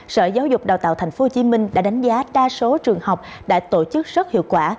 sở giáo dục đào tạo tp hcm đã đánh giá đa số trường học đã tổ chức rất hiệu quả